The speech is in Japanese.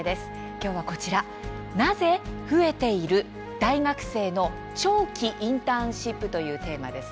今日は、こちら「なぜ？増えている大学生の長期インターンシップ」というテーマです。